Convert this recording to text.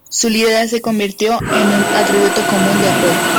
Su lira se convirtió en un atributo común de Apolo.